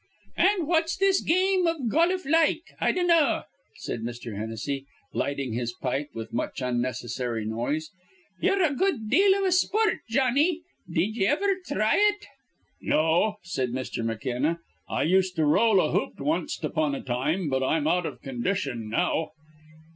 "An' what's this game iv goluf like, I dinnaw?" said Mr. Hennessy, lighting his pipe with much unnecessary noise. "Ye're a good deal iv a spoort, Jawnny: did ye iver thry it?" "No," said Mr. McKenna. "I used to roll a hoop onct upon a time, but I'm out of condition now."